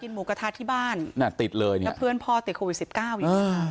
กินหมูกระทะที่บ้านแล้วเพื่อนพ่อติดโควิด๑๙อยู่